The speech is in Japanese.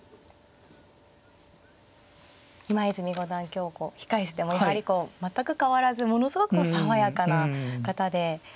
今日こう控え室でもやはりこう全く変わらずものすごく爽やかな方で。